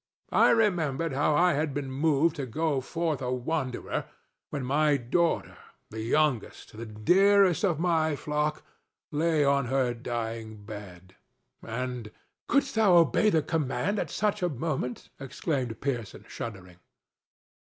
I remembered how I had been moved to go forth a wanderer when my daughter, the youngest, the dearest of my flock, lay on her dying bed, and—" "Couldst thou obey the command at such a moment?" exclaimed Pearson, shuddering.